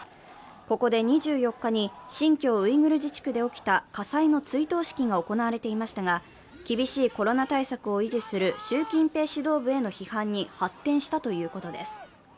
ここで２４日に新疆ウイグル自治区で起きた火災の追悼式が行われていましたが、厳しいゼロコロナ政策を維持する習近平指導部への批判に発展したということです。